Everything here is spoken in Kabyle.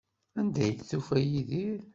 Anda ay d-tufa Yidir?